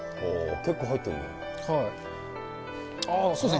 結構入ってるね。